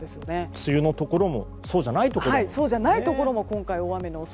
梅雨のところもそうじゃないところもですね。